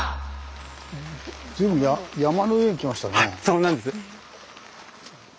そうなんです。